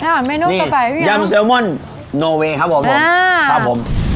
อ่าเมนูต่อไปหรือเปล่านี่ยำแซลมอนนอลเวย์ครับผมอ่าครับผม